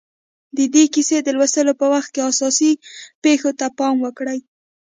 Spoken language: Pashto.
د دې کیسې د لوستلو پر وخت اساسي پېښو ته پام وکړئ